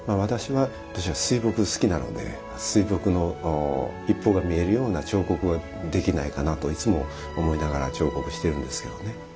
私は水墨好きなので水墨の一方が見えるような彫刻ができないかなといつも思いながら彫刻してるんですけどね。